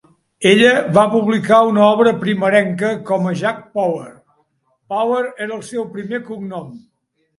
Ella va publicar una obra primerenca com a "Jack Power"; Power era el seu primer cognom.